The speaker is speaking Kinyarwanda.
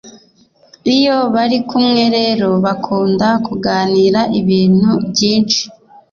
iyo bari kumwe rero bakunda kuganira ibintu byinshi